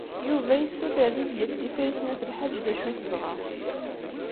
Yuba yessuter Lidya n Tifrit n At Lḥaǧ d acu i tebɣa.